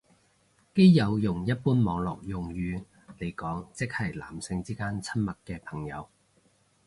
基友用一般網絡用語嚟講即係男性之間親密嘅朋友